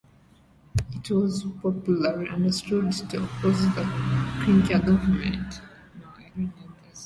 It was popularly understood to oppose the Kirchner government.